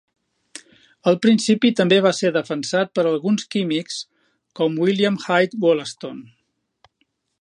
El principi també va ser defensat per alguns químics com William Hyde Wollaston.